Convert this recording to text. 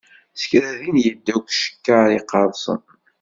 S kra din yedda deg ucekkar yeqqersen.